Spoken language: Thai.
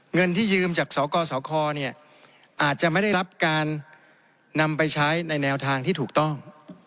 เงินที่ยืมจากสกสคเนี่ยอาจจะไม่ได้รับการนำไปใช้ในแนวทางที่ถูกต้อง